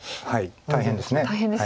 大変です。